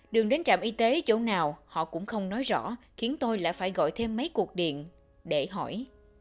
đường đến trạm y tế chỗ nào họ cũng không nói rõ khiến tôi lại phải gọi thêm mấy cuộc điện để hỏi